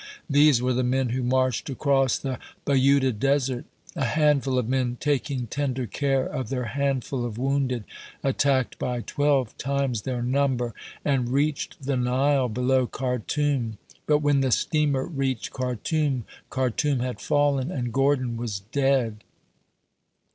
These were the men who marched across the Bayuda Desert a handful of men taking tender care of their handful of wounded, attacked by twelve times their number and reached the Nile below Khartoum; but when the steamer reached Khartoum, Khartoum had fallen and Gordon was dead.